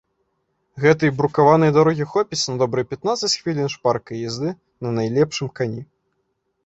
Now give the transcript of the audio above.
Гэтай брукаванай дарогі хопіць на добрыя пятнаццаць хвілін шпаркай язды на найлепшым кані.